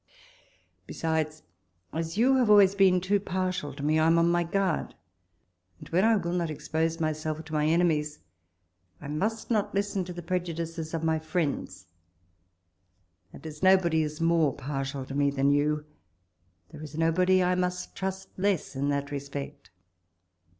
Besides, as you have always been too partial to me, I am on my guard, and when I will not expose myself to my enemies, I must not listen to the prejudices of my friends ; and as nobody is more partial to me than you, there is nobody I must trust less in that respect.